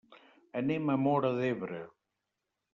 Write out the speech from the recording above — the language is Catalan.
Anem a Móra d'Ebre.